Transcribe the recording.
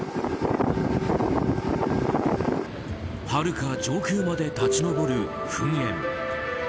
はるか上空まで立ち上る噴煙。